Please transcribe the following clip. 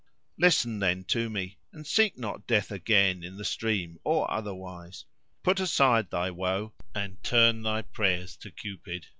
Listen then to me, and seek not death again, in the stream or otherwise. Put aside thy woe, and turn thy prayers to Cupid.